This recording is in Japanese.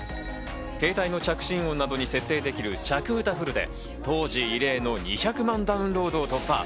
携帯の着信音などに設定できる、着うたフルで当時、異例の２００万ダウンロードを突破。